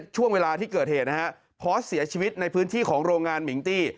ช่วงเวลาที่เกิดเหตุนะฮะพอสเสียชีวิตในพื้นที่ของโรงงานมิงตี้